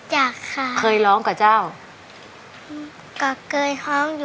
คุณยายแดงคะทำไมต้องซื้อลำโพงและเครื่องเสียง